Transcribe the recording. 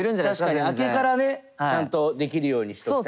確かに明けからねちゃんとできるようにしときたい。